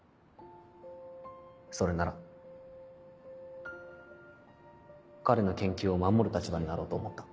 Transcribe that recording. それなら彼の研究を守る立場になろうと思った。